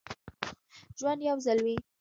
ژوند یو ځل وي